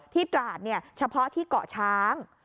ที่ตราดเนี่ยเฉพาะที่เกาะช้าง